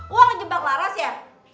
uang jebak laras ya